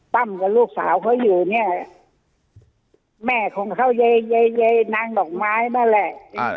ตั้มกับลูกสาวเขาอยู่เนี้ยแม่ของเขาเยยเยยเยยนางหลอกไม้มาแหละ